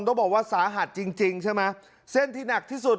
ต้องบอกว่าสาหัสจริงจริงใช่ไหมเส้นที่หนักที่สุด